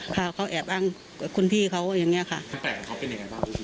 พาเขาแอบอ้างกับคุณพี่เขาอย่างเงี้ยค่ะตั้งแต่เขาเป็นยังไงบ้าง